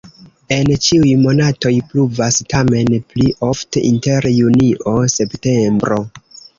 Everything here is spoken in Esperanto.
En ĉiuj monatoj pluvas, tamen pli ofte inter junio-septembro.